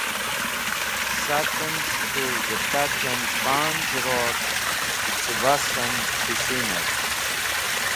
Sakẽn cẽ k̃hũ g̃htakẽn panz ror cẽbasẽn pẽshiner.